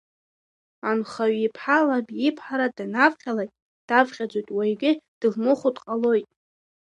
Анхаҩ иԥҳа лаб иԥҳара данавҟьалак, давҟьаӡоит, уаҩгьы дылмыхәо дҟалоит.